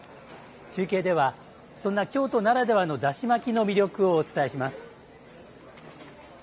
中継ではそんな京都ならではのだし巻きの魅力をお伝えします。